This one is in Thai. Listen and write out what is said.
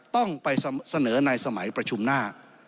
ต้องไปเสนอในสมัยประชุมหน้า